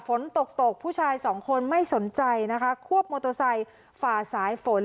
ฝนตกตกผู้ชายสองคนไม่สนใจนะคะควบมอเตอร์ไซค์ฝ่าสายฝน